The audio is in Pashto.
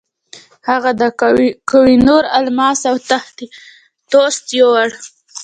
هغه د کوه نور الماس او تخت طاووس یووړ.